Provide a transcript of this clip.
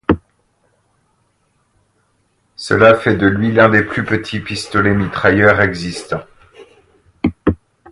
Cela fait de lui l'un des plus petits pistolets-mitrailleurs existants.